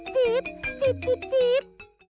จีบ